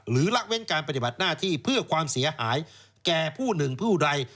ละเว้นการปฏิบัติหน้าที่เพื่อความเสียหายแก่ผู้หนึ่งผู้ใด